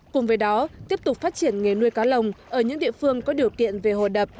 cùng với đó tiếp tục phát triển nghề nuôi cá lồng ở những địa phương có điều kiện về hồ đập